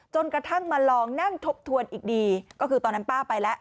จนกระทั่งมาลองนั่งทบทวนอีกดีก็คือตอนนั้นป้าไปแล้ว